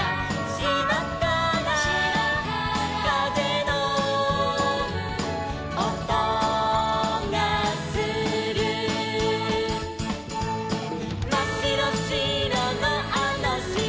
「しまからかぜのおとがする」「まっしろしろのあのしまで」